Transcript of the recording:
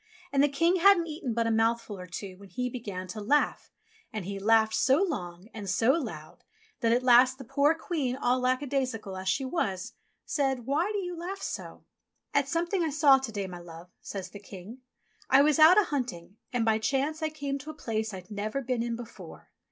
And the King hadn't eaten but a mouthful or two when he began to laugh, and TOM TIT TOT 35 he laughed so long and so loud that at last the poor Queen, all lackadaisical as she was, said : "Why do you laugh so ?" ^'At something I saw to day, my love," says the King. "I was out a hunting, and by chance I came to a place I'd never been in before.